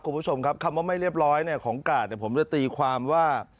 คุณผู้ชมครับคำว่าไม่เรียบร้อยของกาดผมจะตีความว่า